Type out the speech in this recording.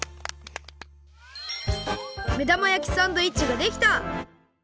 目玉やきサンドイッチができた！